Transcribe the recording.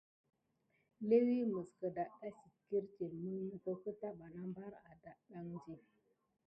Léwi məs kədaɗɗa sit kirtine mulmuko keta bana bar adaɗɗaŋ di.